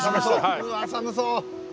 うわ寒そう。